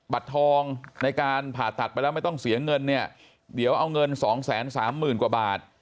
บัตรทองในการผ่าตัดไปแล้วไม่ต้องเสียเงินเนี่ยเดี๋ยวเอาเงินสองแสนสามหมื่นกว่าบาท